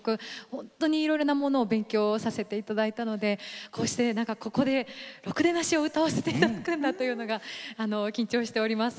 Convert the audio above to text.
本当にいろいろなものを勉強させていただいたのでこうしてここで「ろくでなし」を歌わせていただくの緊張しております。